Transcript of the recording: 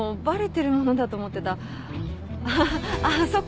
ハハあっそっか。